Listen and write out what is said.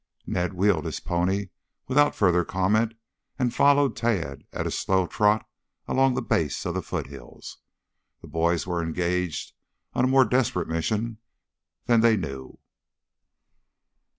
Ned wheeled his pony without further comment and followed Tad at a slow trot along the base of the foothills. The boys were engaged on a more desperate mission than they knew.